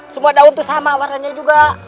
semua daun itu sama warnanya juga